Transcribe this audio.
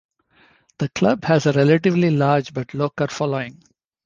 The club has a relatively large but local following.